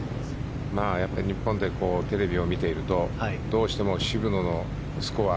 日本でテレビを見ているとどうしても渋野のスコア